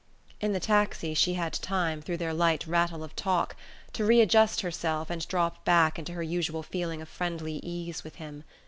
In the taxi she had time, through their light rattle of talk, to readjust herself and drop back into her usual feeling of friendly ease with him.